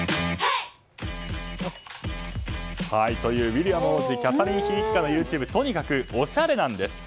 ウィリアム王子キャサリン妃一家のＹｏｕＴｕｂｅとにかくおしゃれなんです。